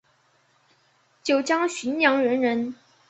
九江浔阳人人。